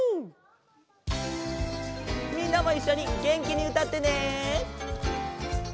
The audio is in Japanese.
みんなもいっしょにげんきにうたってね！